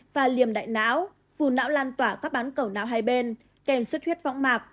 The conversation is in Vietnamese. và liềm đại não vù não lan tỏa các bán cầu não hai bên kèm suất huyết võng mạc